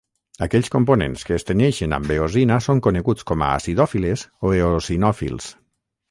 Aquells components que es tenyeixen amb eosina són coneguts com a acidòfiles o eosinòfils.